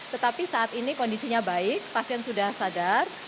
tetapi saat ini kondisinya baik pasien sudah sadar